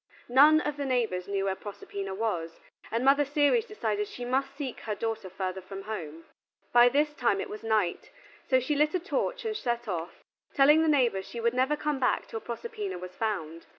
None of the neighbors knew where Proserpina was, and Mother Ceres decided she must seek her daughter further from home. By this time it was night, so she lit a torch and set off, telling the neighbors she would never come back till Proserpina was found.